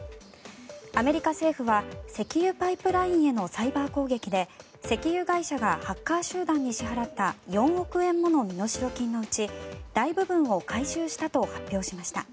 アメリカ政府は石油パイプラインへのサイバー攻撃で石油会社がハッカー集団に支払った４億円もの身代金のうち大部分を回収したと発表しました。